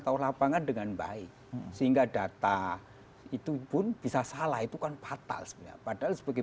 tahu lapangan dengan baik sehingga data itu pun bisa salah itu kan fatal sebenarnya padahal sebagai